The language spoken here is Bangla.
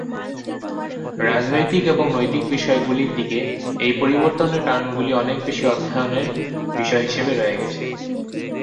রাজনৈতিক এবং নৈতিক বিষয়গুলির দিকে এই পরিবর্তনের কারণগুলি অনেক বেশি অধ্যয়নের বিষয় হিসাবে রয়ে গেছে।